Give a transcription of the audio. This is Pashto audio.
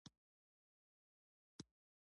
شګه کورونه جوړوي.